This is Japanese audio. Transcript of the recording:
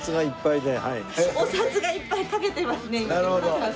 「おサツがいっぱい」かけてますね。